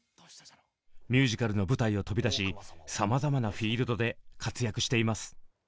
ミュージカルの舞台を飛び出しさまざまなフィールドで活躍しています。